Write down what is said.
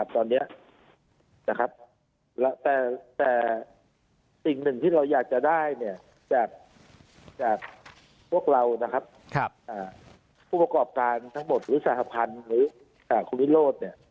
ตอนนี้แต่สิ่งหนึ่งที่เราอยากจะได้จากพวกเราผู้ประกอบการทั้งหมดหรือสหพันธ์หรือคุณวิโรธ